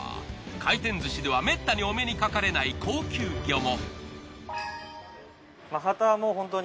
回転寿司ではめったにお目にかかれない高級魚も。